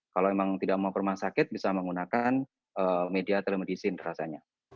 kalau memang tidak mau ke rumah sakit bisa menggunakan media telemedicine rasanya